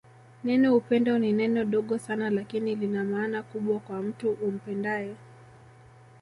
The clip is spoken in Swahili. Neno upendo ni neno dogo Sana lakini Lina maana kubwa kwa mtu umpendae